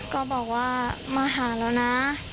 ก็บอกว่ามาหาแล้วนะ